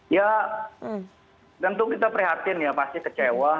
ya tentu kita prihatin ya pasti kecewa